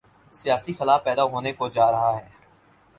سیاسی خلا پیدا ہونے کو جارہا ہے۔